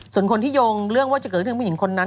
ส่วนคนที่โยงเรื่องว่าจะเกิดเรื่องผู้หญิงคนนั้น